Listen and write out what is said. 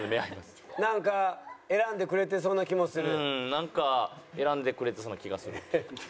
なんか選んでくれてそうな気がする。